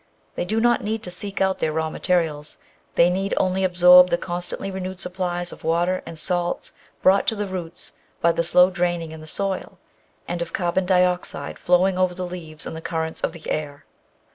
They do not need to seek out their raw materials ; they need only absorb the constantly renewed supplies of water and salts brought to the roots by the slow draining in the soil, and of carbon dioxide flowing over the leaves in the currents of the air.